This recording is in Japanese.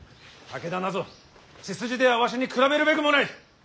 武田なぞ血筋ではわしに比べるべくもない。